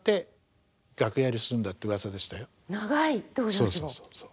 そうそうそうそう。